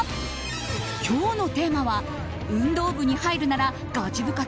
今日のテーマは運動部に入るならガチ部活？